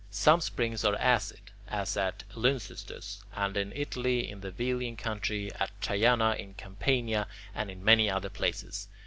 Some springs are acid, as at Lyncestus and in Italy in the Velian country, at Teano in Campania, and in many other places.